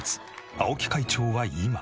青木会長は今。